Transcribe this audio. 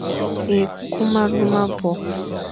Ekum e lum me abo ;